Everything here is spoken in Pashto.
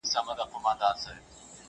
o څه ژرنده پڅه وه، څه غنم لانده وه!